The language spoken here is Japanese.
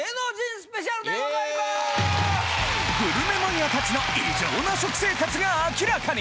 グルメマニアたちの異常な食生活が明らかに！